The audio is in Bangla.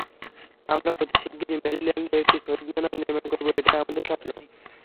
আমরা অতি শিগগির মেরিল্যান্ডে একটি শহীদ মিনার নির্মাণ করব, এটাই আমাদের স্বপ্ন।